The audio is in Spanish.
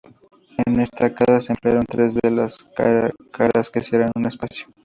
En esta casa se emplearon tres de las caras que cierran un espacio.